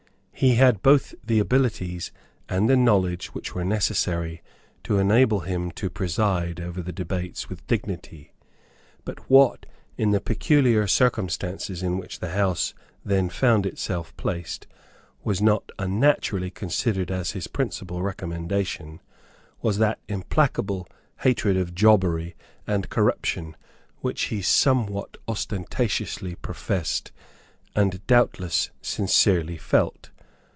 He had both the abilities and the knowledge which were necessary to enable him to preside over the debates with dignity; but what, in the peculiar circumstances in which the House then found itself placed, was not unnaturally considered as his principal recommendation, was that implacable hatred of jobbery and corruption which he somewhat ostentatiously professed, and doubtless sincerely felt.